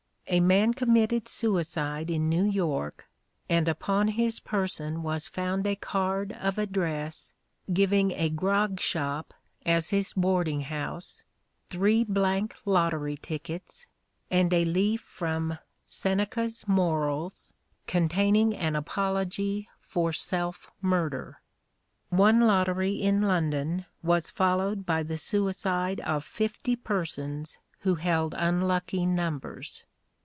A man committed suicide in New York, and upon his person was found a card of address giving a grog shop as his boarding house, three blank lottery tickets, and a leaf from Seneca's Morals, containing an apology for self murder. One lottery in London was followed by the suicide of fifty persons who held unlucky numbers.